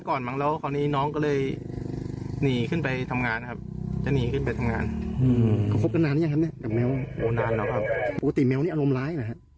ก่อนมาแล้วของนี้น้องก็เลยหนีขึ้นไปทำงานครับกันอย่างนั้น